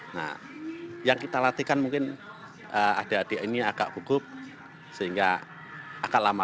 nah yang kita latihkan mungkin adik adik ini agak gugup sehingga agak lama